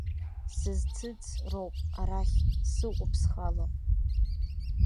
Сызцыц роуп, арахь, сыҟоуп схала.